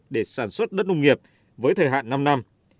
để sản xuất đất nông nghiệp với thời hạn năm năm